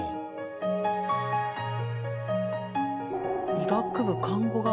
「医学部看護学科」。